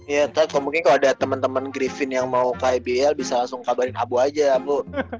iya mungkin kalau ada temen temen griffin yang mau ke ebl bisa langsung kabarin habu aja habu